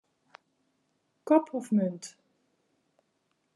Kop of munt.